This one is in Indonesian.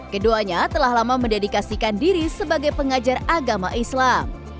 keduanya telah lama mendedikasikan diri sebagai pengajar agama islam